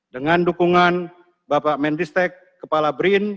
dengan dukungan bapak mentistek kepala brin